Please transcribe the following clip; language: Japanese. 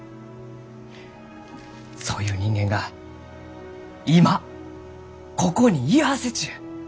そういう人間が今ここに居合わせちゅう！